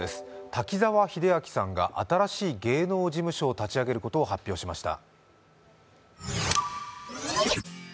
滝沢秀明さんが新しい芸能事務所を立ち上げることを発表しました。